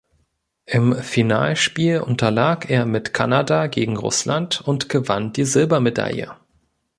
Im Finalspiel unterlag er mit Kanada gegen Russland und gewann die Silbermedaille.